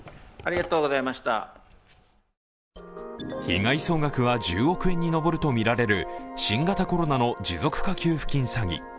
被害総額は１０億円に上るとみられる新型コロナの持続化給付金詐欺。